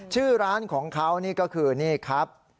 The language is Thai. ชื่อร้านของเขานี่ก็คือนี่ครับ